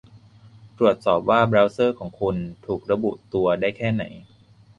ตรวจสอบว่า เบราว์เซอร์ของคุณ ถูกระบุตัวได้แค่ไหน